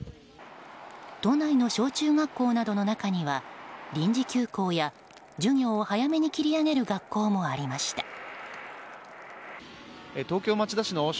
都内の小中学校などの中には臨時休校や授業を早めに切り上げる学校もありました。